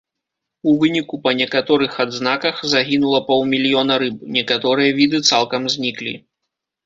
У выніку па некаторых адзнаках загінула паўмільёна рыб, некаторыя віды цалкам зніклі.